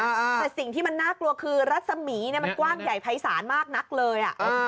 แต่สิ่งที่มันน่ากลัวคือรัศมีร์เนี่ยมันกว้างใหญ่ภัยศาลมากนักเลย